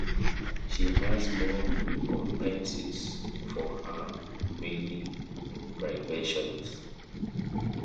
She has some recompenses for her many privations.